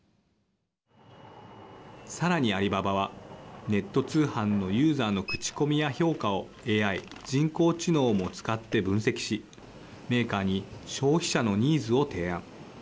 さらにアリババはネット通販のユーザーの口コミや評価をＡＩ＝人工知能をも使って分析しメーカーに消費者のニーズを提案。